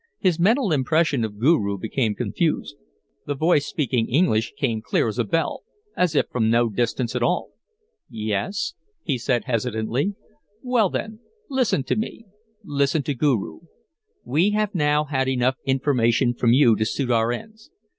His mental impression of Guru became confused; the voice speaking English came clear as a bell, as if from no distance at all. "Yes," he said hesitantly. "Well, then, listen to me, listen to Guru. We have now had enough information from you to suit our ends.